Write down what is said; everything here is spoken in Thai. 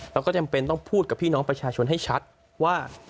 เราก็จำเป็นต้องพูดกับพี่น้องประชาชนให้ชัดว่า